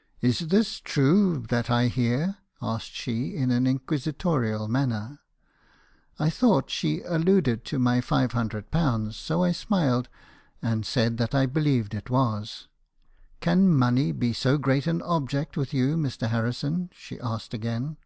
" 'Is this true that I hear?' asked she, in an inquisitorial manner. "I thought she alluded to my five hundred pounds. So I smiled , and said that 1 believed it was. "' Can money be so great an object with you, Mr.Harrison? , she asked again.